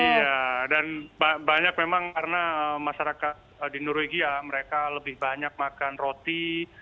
iya dan banyak memang karena masyarakat di norwegia mereka lebih banyak makan roti